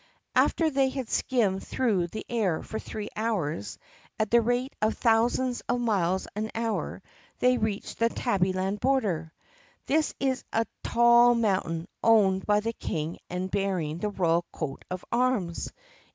After they had skimmed through the air for three hours, at the rate of thousands of miles an hour, they reached the Tabby land border. This is a tall mountain owned by the King and bearing the royal coat of arms.